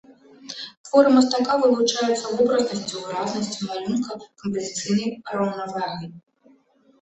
Творы мастака вылучаюцца вобразнасцю, выразнасцю малюнка, кампазіцыйнай раўнавагай.